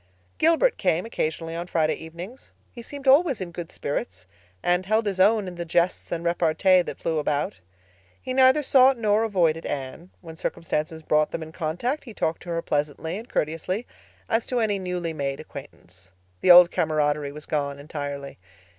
Gilbert came occasionally on Friday evenings. He seemed always in good spirits, and held his own in the jests and repartee that flew about. He neither sought nor avoided Anne. When circumstances brought them in contact he talked to her pleasantly and courteously, as to any newly made acquaintance. The old camaraderie was gone entirely.